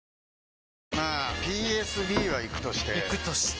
まあＰＳＢはイクとしてイクとして？